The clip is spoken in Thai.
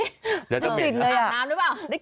กลิ่นเลย